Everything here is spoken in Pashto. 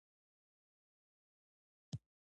هیلۍ خپل ملګري سره اوږده سفرونه کوي